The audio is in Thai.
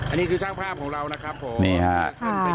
อันนี้คือช่างภาพของเรานะครับผมนี่ฮะ